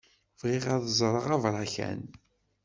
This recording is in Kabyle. Bɣiɣ ad ẓreɣ abṛakan.